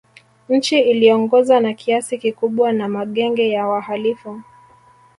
Nchi iliongozwa na kiasi kikubwa na magenge ya wahalifu